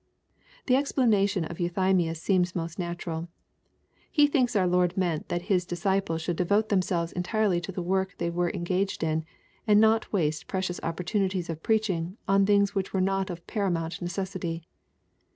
The explanation of Euthymius seems most natural He thinks our Lord meant that His disciples should devote themselves entirely to the work they were engaged in, and not waste precious opportunities of preaching, on things which were not of paramount necessity.